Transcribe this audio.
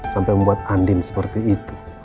sampai membuat andin seperti itu